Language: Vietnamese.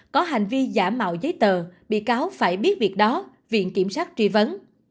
có hành vi giả mạo giấy tờ bị cáo phải biết việc đó viện kiểm sát truy vấn